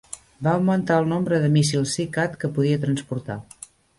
Va augmentar el nombre de míssils SeaCat que podia transportar.